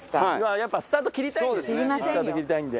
やっぱスタート切りたいんで。